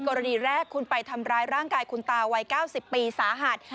กรณีแรกคุณไปทำร้ายร่างกายคุณตาวัย๙๐ปีสาหัส